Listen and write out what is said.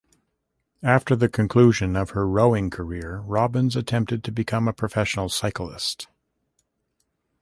After the conclusion of her rowing career, Robbins attempted to become a professional cyclist.